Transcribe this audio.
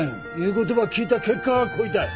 ことば聞いた結果がこいたい。